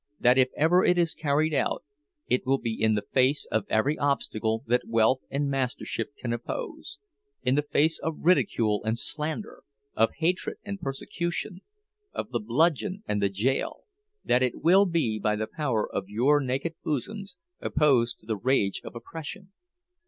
That if ever it is carried out, it will be in the face of every obstacle that wealth and mastership can oppose—in the face of ridicule and slander, of hatred and persecution, of the bludgeon and the jail? That it will be by the power of your naked bosoms, opposed to the rage of oppression!